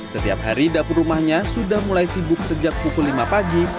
setiap hari dapur rumahnya sudah mulai sibuk sejak pukul lima pagi